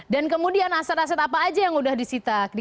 dan kemudian aset aset apa aja yang udah disita